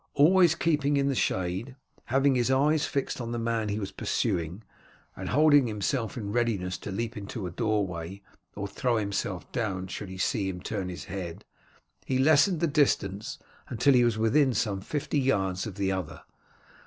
Always keeping in the shade, having his eyes fixed on the man he was pursuing, and holding himself in readiness to leap into a doorway or throw himself down should he see him turn his head, he lessened the distance until he was within some fifty yards of the other.